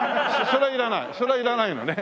それはいらないのね。